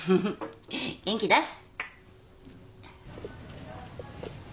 元気出す。